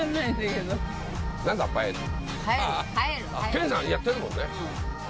研さんやってるもんね。